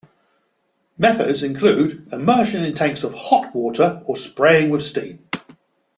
Methods including immersion in tanks of hot water or spraying with steam.